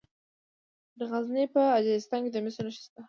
د غزني په اجرستان کې د مسو نښې شته.